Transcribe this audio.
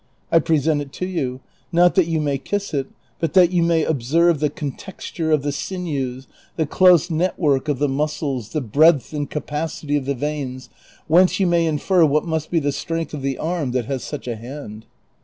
I present it to you, not that you may kiss it, but that you may observe the contexture of the sinews, the close network of the muscles, the breadth and capacity of the veins, whence you may infer what must be the strength of the arm that has such a hand."